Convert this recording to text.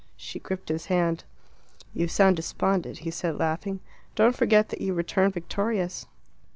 She gripped his hand. "You sound despondent," he said, laughing. "Don't forget that you return victorious."